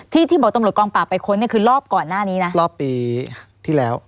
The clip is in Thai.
ที่ที่บอกตำรวจกองปราบไปค้นเนี่ยคือรอบก่อนหน้านี้นะรอบปีที่แล้ว